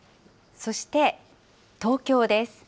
そして東京です。